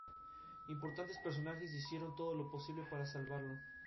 Tuvo una hermana mayor llamada June y uno menor, Rex.